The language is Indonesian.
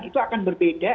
itu akan berbeda